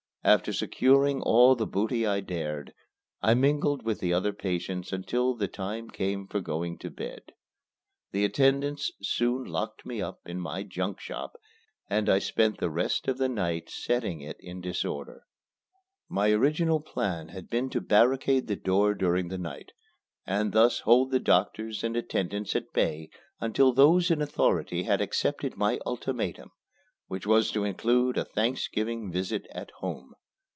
After securing all the booty I dared, I mingled with the other patients until the time came for going to bed. The attendants soon locked me in my junk shop and I spent the rest of the night setting it in disorder. My original plan had been to barricade the door during the night, and thus hold the doctors and attendants at bay until those in authority had accepted my ultimatum, which was to include a Thanksgiving visit at home.